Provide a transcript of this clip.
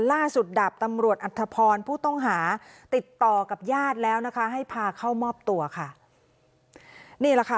ดาบตำรวจอัธพรผู้ต้องหาติดต่อกับญาติแล้วนะคะให้พาเข้ามอบตัวค่ะนี่แหละค่ะ